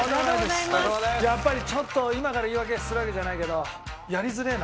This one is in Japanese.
やっぱりちょっと今から言い訳するわけじゃないけどやりづれえな。